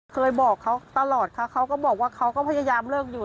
เคยบอกเขาตลอดค่ะเขาก็บอกว่าเขาก็พยายามเลิกอยู่